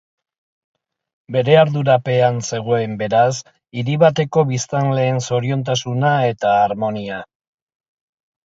Bere ardurapean zegoen, beraz, hiri bateko biztanleen zoriontasuna eta harmonia.